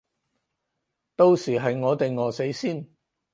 到時係我哋餓死先